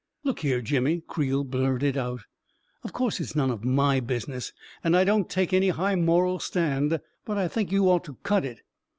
" Look here, Jimmy," Creel blurted out, " of course it is none of my business, and I don't take any high moral stand — but I think you ought to cut it.